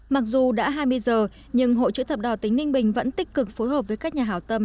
mặc dù đã hai mươi giờ nhưng hội chữ thập đỏ tỉnh ninh bình vẫn tích cực phối hợp với các nhà hảo tâm